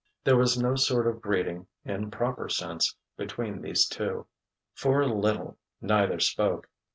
There was no sort of greeting, in proper sense, between these two. For a little neither spoke.